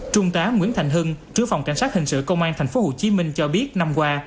trung tá nguyễn thành hưng trứ phòng cảnh sát hình sự công an tp hcm cho biết năm qua